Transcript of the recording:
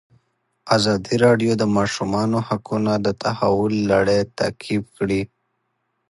ازادي راډیو د د ماشومانو حقونه د تحول لړۍ تعقیب کړې.